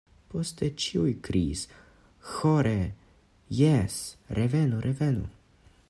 Poste ĉiuj kriis ĥore: “Jes, revenu, revenu.”